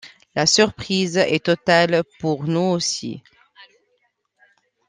La surprise est totale, pour nous aussi.